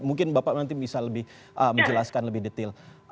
mungkin bapak nanti bisa lebih menjelaskan lebih detail